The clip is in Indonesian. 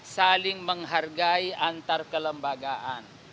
saling menghargai antarkelembagaan